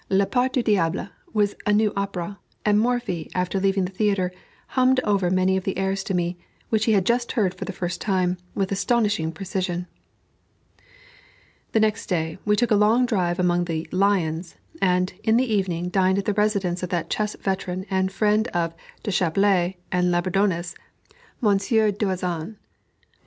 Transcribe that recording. "La Part du Diable" was a new opera, and Morphy, after leaving the theatre, hummed over many of the airs to me, which he had just heard for the first time, with astonishing precision. The next day we took a long drive among the "lions," and, in the evening, dined at the residence of that chess veteran and friend of Deschappelles and Labourdonnais, Monsieur Doazan.